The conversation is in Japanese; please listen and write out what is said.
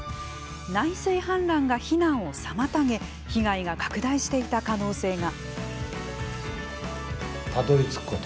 内水氾濫が避難を妨げ被害が拡大していた可能性が。